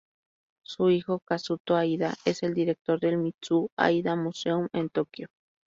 Su hijo, Kazuto Aida, es el director del Mitsuo Aida Museum en Tokio.